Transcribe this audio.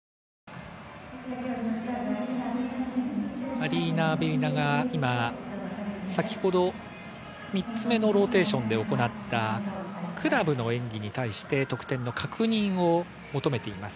アリーナ・アベリナが先ほど３つめのローテーションで行ったクラブの演技に対して得点の確認を求めています。